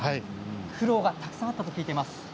苦労がたくさんあったと聞いています。